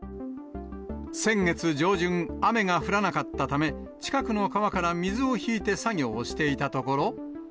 先月上旬、雨が降らなかったため、近くの川から水を引いて作業をしていたところ。